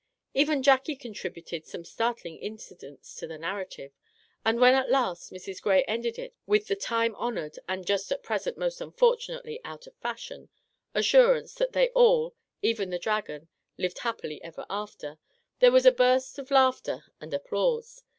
Even Jackie contributed some startling incidents to the narrative, and when at last Mrs. Grey ended it with the time honoured (and just at present, most unfortunately, out of fashion !) assurance that they all, even the dragon, " lived happy ever after," there was a burst of laughter and applause.